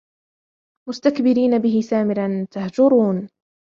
مُسْتَكْبِرِينَ بِهِ سَامِرًا تَهْجُرُونَ